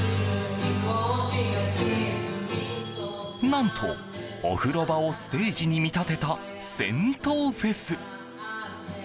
何と、お風呂場をステージに見立てた銭湯フェス。